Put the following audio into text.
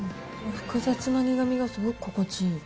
複雑な苦みがすごく心地いい。